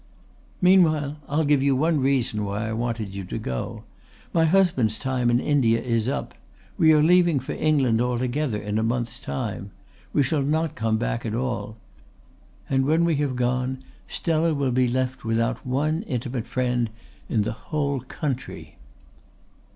"Meanwhile I'll give you one reason why I wanted you to go. My husband's time in India is up. We are leaving for England altogether in a month's time. We shall not come back at all. And when we have gone Stella will be left without one intimate friend in the whole country."